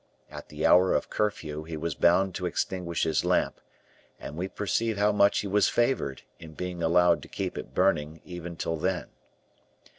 At the hour of curfew, he was bound to extinguish his lamp, and we perceive how much he was favored, in being allowed to keep it burning even till then.